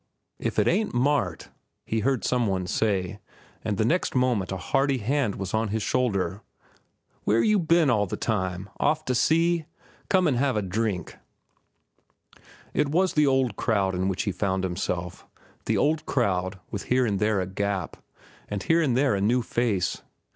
"If it ain't Mart!" he heard some one say, and the next moment a hearty hand was on his shoulder. "Where you ben all the time? Off to sea? Come on an' have a drink." It was the old crowd in which he found himself—the old crowd, with here and there a gap, and here and there a new face.